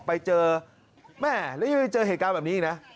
ไปเจอแม่แล้วยังไปเจอเหตุการณ์แบบนี้อีกนะ